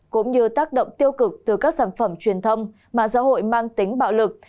cũng như tác động tiêu cực từ các sản phẩm truyền thông mà giáo hội mang tính bạo lực